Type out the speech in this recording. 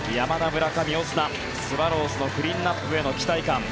村上、オスナスワローズのクリーンアップへの期待感